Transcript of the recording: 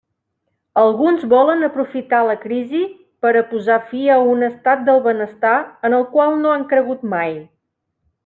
Alguns volen aprofitar la crisi per a posar fi a un estat del benestar en el qual no han cregut mai.